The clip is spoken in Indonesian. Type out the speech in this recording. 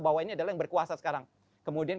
bahwa ini adalah yang berkuasa sekarang kemudian